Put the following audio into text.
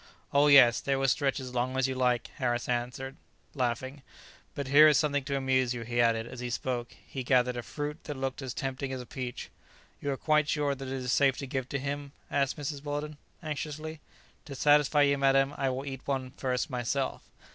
"Oh, yes, they will stretch as long as you like," Harris answered, laughing. "But here is something to amuse you," he added, and as he spoke, he gathered a fruit that looked as tempting as a peach. "You are quite sure that it is safe to give it him?" said Mrs. Weldon anxiously. "To satisfy you, madam, I will eat one first myself."